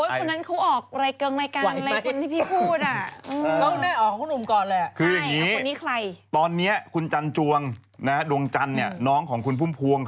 อ้าวหมุนไม่ไหวเอาครึ่งเดียวหมุนครึ่ง